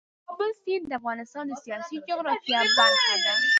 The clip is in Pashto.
د کابل سیند د افغانستان د سیاسي جغرافیه برخه ده.